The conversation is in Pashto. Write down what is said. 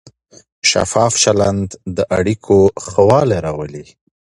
شفاف چلند د اړیکو ښه والی راولي.